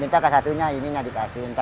minta ke satunya ini dikasih